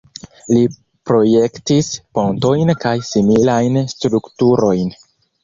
Li projektis pontojn kaj similajn strukturojn.